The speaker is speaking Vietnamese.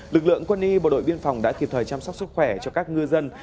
lực lượng quân y bộ đội biên phòng đã kịp thời chăm sóc sức khỏe cho các ngư dân